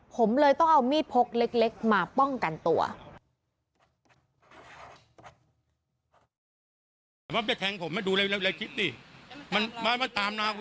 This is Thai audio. ผมเลยต้องเอามีดพกเล็กมาป้องกันตัว